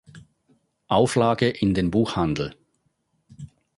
Auflage in den Buchhandel.